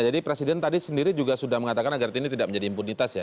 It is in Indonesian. jadi presiden tadi sendiri juga sudah mengatakan agar ini tidak menjadi impunitas ya